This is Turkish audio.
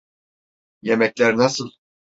Yemekler nasıl?